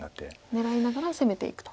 狙いながら攻めていくと。